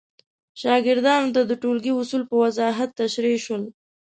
شاګردانو ته د ټولګي اصول په وضاحت تشریح شول.